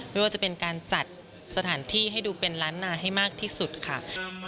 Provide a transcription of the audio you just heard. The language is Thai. ไม่ว่าจะเป็นการจัดสถานที่ให้ดูเป็นล้านนาให้มากที่สุดค่ะ